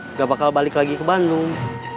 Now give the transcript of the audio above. nggak bakal balik lagi ke bandung